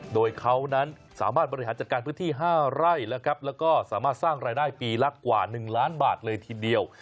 โดยเขานั้นสามารถบริหารจัดการพื้นที่๕ไร่แล้วก็สามารถสร้างรายได้ปีละกว่า๑ล้านบาทเลยทีเดียว